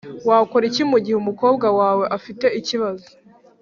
Wakora iki mu gihe umukobwa wawe afite ikibazo